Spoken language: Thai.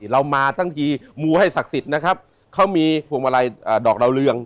เรามาทั้งทีมูให้ศักดิ์สิทธิ์นะครับเขามีพวงมาลัยดอกดาวเรือง